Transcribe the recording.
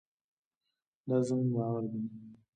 دا زموږ باور دی.